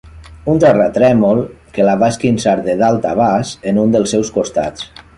Un terratrèmol que la va esquinçar de dalt a baix en un dels seus costats.